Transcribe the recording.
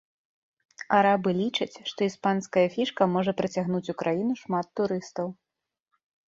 Арабы лічаць, што іспанская фішка можа прыцягнуць у краіну шмат турыстаў.